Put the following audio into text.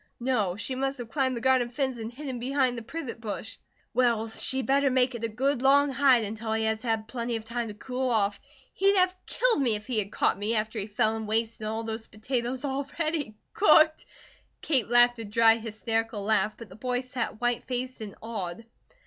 "No. She must have climbed the garden fence and hidden behind the privet bush." "Well, she better make it a good long hide, until he has had plenty of time to cool off. He'd have killed me if he had caught me, after he fell and wasted all those potatoes already cooked " Kate laughed a dry hysterical laugh, but the boy sat white faced and awed.